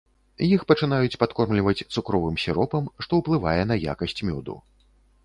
Іх пачынаюць падкормліваць цукровым сіропам, што ўплывае на якасць мёду.